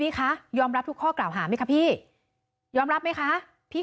คุยกับตำรวจเนี่ยคุยกับตำรวจเนี่ยคุยกับตำรวจเนี่ย